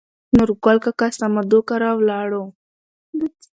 نورګل کاکا سمدو کره ولاړو.